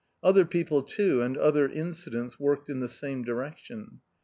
Other people too and other incidents worked in the same direction.